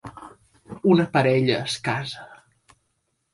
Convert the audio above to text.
Una parella es casa.